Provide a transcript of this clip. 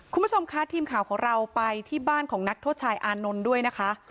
คุณผู้ชมคะทีมข่าวของเราไปที่บ้านของนักโทษชายอานนท์ด้วยนะคะ